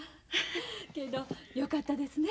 けどよかったですね。